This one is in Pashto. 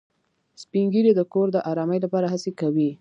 سپین ږیری د کور د ارامۍ لپاره هڅې کوي